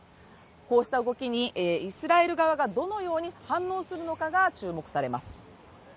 こうした動きにイスラエル側がどのように反応するのかが注目されます。